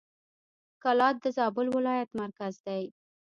کلات د زابل ولایت مرکز دی.